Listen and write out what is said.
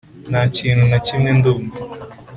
nta kintu na kimwe ndumva.